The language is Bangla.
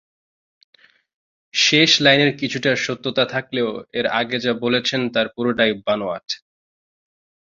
শেষ লাইনের কিছুটা সত্যতা থাকলেও এর আগে যা বলেছেন তার পুরোটাই বানোয়াট।